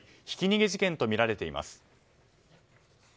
ひき逃げ事件とみられています。